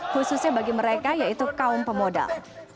khususnya bagi mereka yaitu kaum pemodal